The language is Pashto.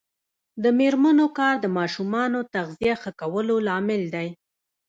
د میرمنو کار د ماشومانو تغذیه ښه کولو لامل دی.